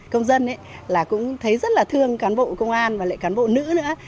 công dân là cũng thấy rất là thương cán bộ công an và lại cán bộ nữ nữa